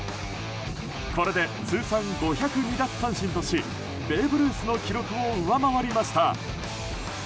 これで通算５０２奪三振としベーブ・ルースの記録を上回りました。